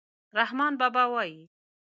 رحمان بابا وایي: